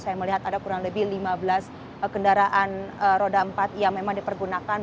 saya melihat ada kurang lebih lima belas kendaraan roda empat yang memang dipergunakan